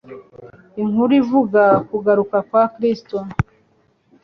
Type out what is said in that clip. inkuru ivuga kugaruka kwa Kristo